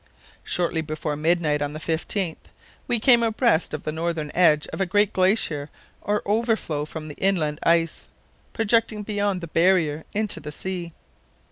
Shortly before midnight on the 15th we came abreast of the northern edge of a great glacier or overflow from the inland ice, projecting beyond the barrier into the sea.